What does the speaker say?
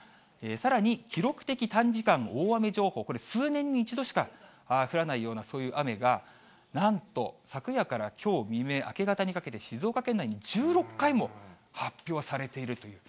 さらに記録的短時間大雨情報、これ数年に一度しか降らないような、そういう雨が、なんと昨夜からきょう未明、明け方にかけて、静岡県内に１６回も発表されているという。